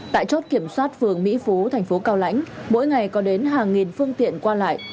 tại chốt kiểm soát phường mỹ phú thành phố cao lãnh mỗi ngày có đến hàng nghìn phương tiện qua lại